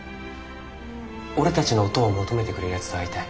俺たちの音を求めてくれるやつと会いたい。